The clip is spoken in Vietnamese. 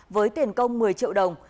với tiền công một mươi triệu đồng